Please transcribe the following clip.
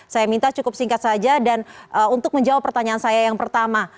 saya minta cukup singkat saja dan untuk menjawab pertanyaan saya yang pertama